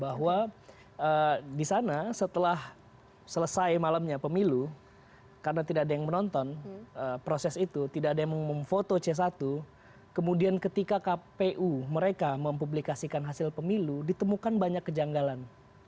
karena di sana setelah selesai malamnya pemilu karena tidak ada yang menonton proses itu tidak ada yang mengumum foto c satu kemudian ketika kpu mereka mempublikasikan hasil pemilu ditemukan banyak kejanggalan